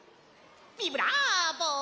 ビブラーボ！